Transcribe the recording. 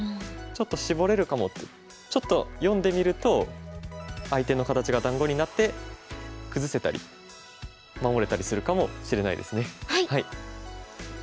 ちょっとシボれるかもとちょっと読んでみると相手の形が団子になって崩せたり守れたりするかもしれないですね。